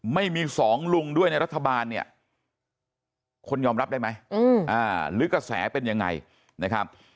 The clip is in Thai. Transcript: ไม่มีสองลุงด้วยในรัฐบาลเนี่ยคนยอมรับได้ไหมหรือกระแสเป็นยังไงนะครับ